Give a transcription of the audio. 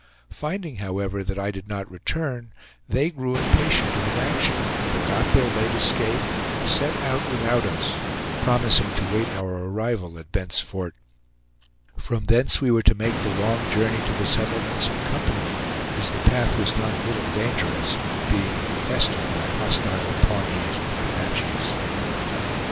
Finding, however, that I did not return, they grew impatient of inaction, forgot their late escape, and set out without us, promising to wait our arrival at Bent's Fort. From thence we were to make the long journey to the settlements in company, as the path was not a little dangerous, being infested by hostile Pawnees and Comanches.